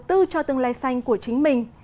đầu tư cho tương lai xanh của chính mình